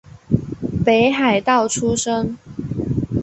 北海道出身。